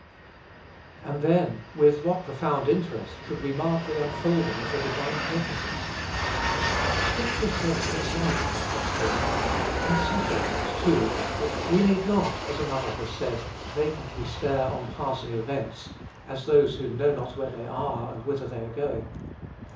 And, then, with what profound interest should we mark the unfolding of the divine purposes! Scripture sheds its light upon these things; and such a light, too, that we need not, as another has said, "vacantly stare on passing events, as those who know not where they are, and whither they are going."